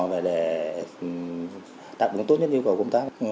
và để đạt được tốt nhất yêu cầu công tác